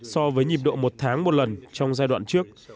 so với nhịp độ một tháng một lần trong giai đoạn trước